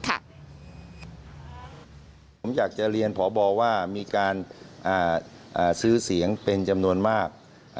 ผมอยากจะเรียนพบว่ามีการซื้อเสียงเป็นจำนวนมาก